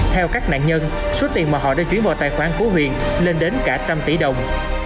theo các nạn nhân số tiền mà họ đã chuyển vào tài khoản của huỳnh lên đến cả một trăm linh tỷ đồng